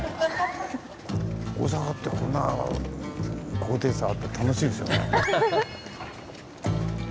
大阪ってこんな高低差あって楽しいですよね。